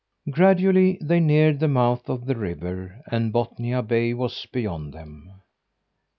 Gradually they neared the mouth of the river, and Bothnia Bay was beyond them.